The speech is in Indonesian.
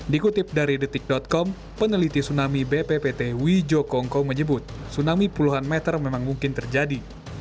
dikutip dari detik com peneliti tsunami bppt wijo kongko menyebut tsunami puluhan meter memang mungkin terjadi